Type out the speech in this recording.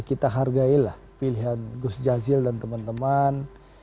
kita hargailah pilihan gus jazil dan teman teman